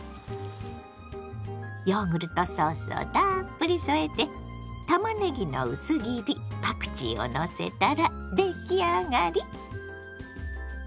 ヨーグルトソースをたっぷり添えてたまねぎの薄切りパクチーをのせたら出来上がり。